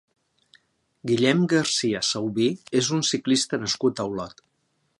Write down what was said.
Guillem Garcia Saubí és un ciclista nascut a Olot.